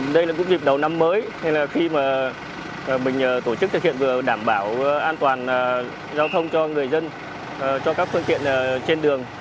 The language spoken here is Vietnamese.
đây là dịp đầu năm mới khi mình tổ chức thực hiện đảm bảo an toàn giao thông cho người dân cho các phương tiện trên đường